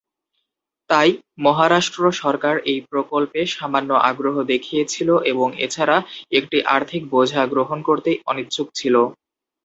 তাই, মহারাষ্ট্র সরকার এই প্রকল্পে সামান্য আগ্রহ দেখিয়েছিল এবং এছাড়া একটি আর্থিক বোঝা গ্রহণ করতে অনিচ্ছুক ছিল।